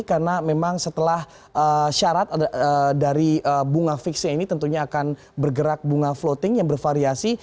karena memang setelah syarat dari bunga fixnya ini tentunya akan bergerak bunga floating yang bervariasi